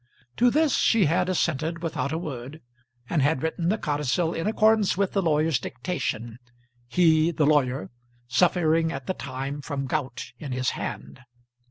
To this she had assented without a word, and had written the codicil in accordance with the lawyer's dictation, he, the lawyer, suffering at the time from gout in his hand.